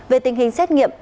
về tình hình xét nghiệm